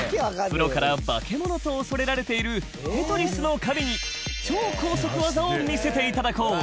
プロから化け物と恐れられている『テトリス』の神に超高速技を見せていただこう